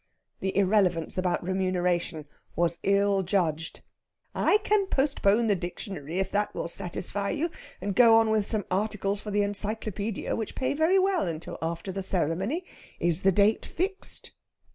The irrelevance about remuneration was ill judged. "I can postpone the Dictionary if that will satisfy you and go on with some articles for the Encyclopædia, which pay very well, until after the ceremony. Is the date fixed?"